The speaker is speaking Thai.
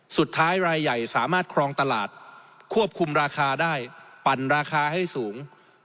สุดท้ายรายใหญ่สามารถครองตลาดควบคุมราคาได้ปั่นราคาให้สูง